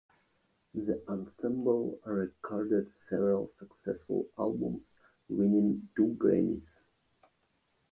The ensemble recorded several successful albums, winning two Grammys.